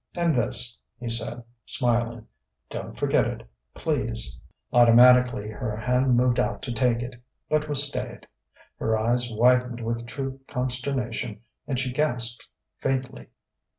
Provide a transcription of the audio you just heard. "And this," he said, smiling "don't forget it, please." Automatically her hand moved out to take it, but was stayed. Her eyes widened with true consternation, and she gasped faintly.